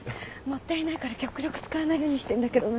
もったいないから極力使わないようにしてんだけどな。